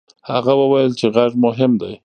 هغه وویل چې غږ مهم دی.